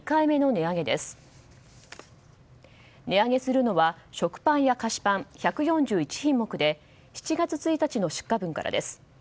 値上げするのは食パンや菓子パン１４１品目で７月１日の出荷分からです。